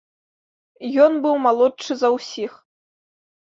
Ён быў малодшы за ўсіх.